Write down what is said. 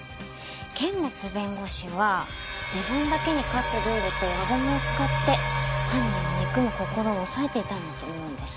堅物弁護士は自分だけに課すルールと輪ゴムを使って犯人を憎む心を抑えていたんだと思うんです。